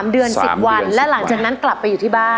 ๓เดือน๑๐วันและหลังจากนั้นกลับไปอยู่ที่บ้าน